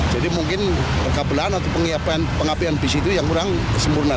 jadi mungkin rekabelan atau pengapian bus itu yang kurang sempurna